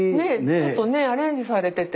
ちょっとねアレンジされてて。